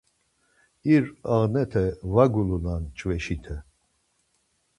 İr ağnete, var gulunan cveşite